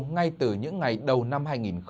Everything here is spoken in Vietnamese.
ngay từ những ngày đầu năm hai nghìn một mươi tám